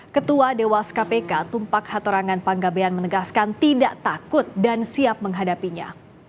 ketua dewas kpk tumpak hatorangan panggabean menegaskan tidak takut dan siap menghadapinya